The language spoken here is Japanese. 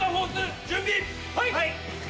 はい！